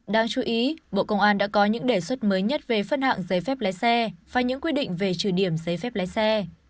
đáng chú ý bộ công an đã có những đề xuất mới nhất về phân hạng giấy phép lái xe và những quy định về trừ điểm giấy phép lái xe